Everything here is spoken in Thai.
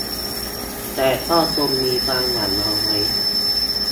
แต่ก็จงมีความหวังเอาไว้